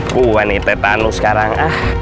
buah nih tetanus sekarang